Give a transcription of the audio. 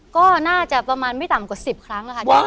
ก็น่าจะประมาณไม่ต่ำกว่า๑๐ครั้งค่ะ